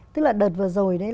tức là đợt vừa rồi